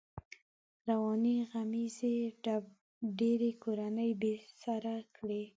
روانې غمېزې ډېری کورنۍ بې سره کړې.